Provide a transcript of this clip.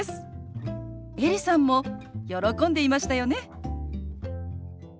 エリさんも喜んでいましたよね。